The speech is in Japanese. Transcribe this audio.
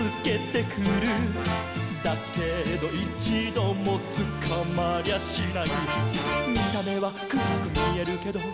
「だけどいちどもつかまりゃしない」「見た目はくらくみえるけど」